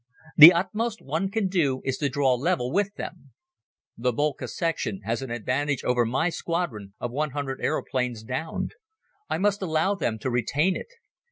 The utmost one can do is to draw level with them. The Boelcke section has an advantage over my squadron of one hundred aeroplanes downed. I must allow them to retain it.